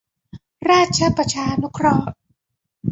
ราชประชานุเคราะห์